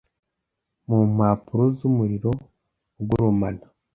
Mu mpapuro z'umuriro ugurumana;